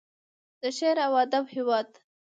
د شعر او ادب هیواد.